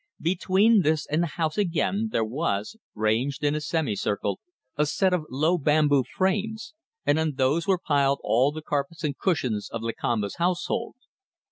Between this and the house again there was, ranged in a semicircle, a set of low bamboo frames, and on those were piled all the carpets and cushions of Lakamba's household.